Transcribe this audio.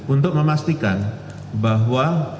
untuk memastikan bahwa vaksin ini akan berhasil